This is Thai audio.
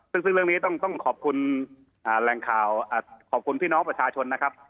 ซึ่งเรื่องนี้ต้องขอบคุณแรงข่าวขอบคุณพี่น้องประชาชนนะครับ